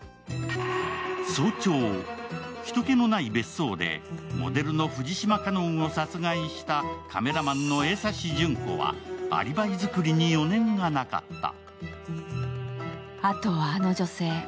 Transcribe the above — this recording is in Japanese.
早朝、人けのない別荘でモデルの藤島花音を殺害したカメラマンの江刺詢子はアリバイ作りに余念がなかった。